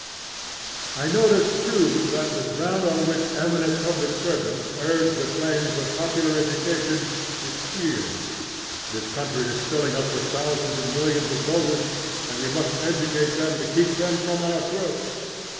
I notice too that the ground on which eminent public servants urge the claims of popular education is fear; 'This country is filling up with thousands and millions of voters, and you must educate them to keep them from our throats.'